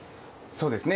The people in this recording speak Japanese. そうですね。